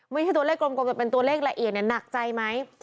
ไม่ใช่ตัวเลขกลมแต่เป็นตัวเลขละเอียดเนี่ยหนักใจไหม